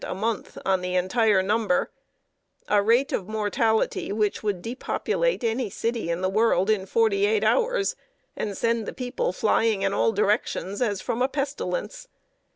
a month on the entire number a rate of mortality which would depopulate any city in the world in forty eight hours, and send the people flying in all directions, as from a pestilence!